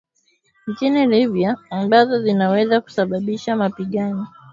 nchini Libya ambazo zinaweza kusababisha mapigano